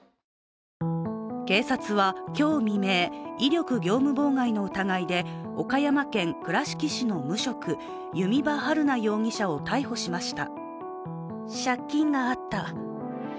警察は今日未明、威力業務妨害の疑いで岡山県倉敷市の無職弓場晴菜容疑者を逮捕しました。